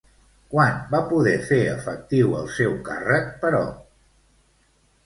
Quan va poder fer efectiu el seu càrrec, però?